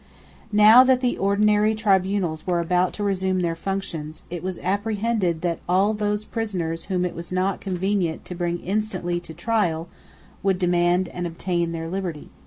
Now that the ordinary tribunals were about to resume their functions, it was apprehended that all those prisoners whom it was not convenient to bring instantly to trial would demand and obtain their liberty.